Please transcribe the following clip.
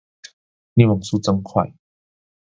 你網速真快